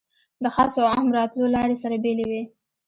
د خاصو او عامو راتلو لارې سره بېلې وې.